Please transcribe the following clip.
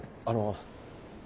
あの。